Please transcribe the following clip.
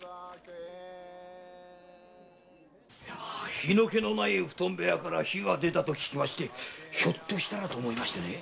火の気のない布団部屋から火が出たと聞きひょっとしたらと思いましてね。